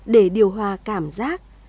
để điều hòa cảm giác